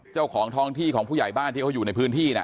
เจ้าของท้องที่ของผู้ใหญ่บ้านที่เขาอยู่ในพื้นที่น่ะ